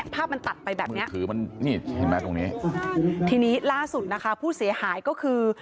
ภาพมันตัดไปแบบนี้ทีนี้ล่าสุดนะคะผู้เสียหายก็คือ